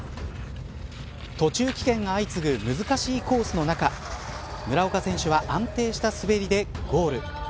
途中棄権が相次ぐ難しいコースの中村岡選手は安定した滑りでゴール。